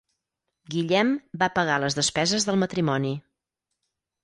Guillem va pagar les despeses del matrimoni.